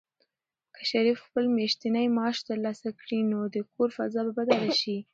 که شریف خپل میاشتنی معاش ترلاسه کړي، نو د کور فضا به بدله شي.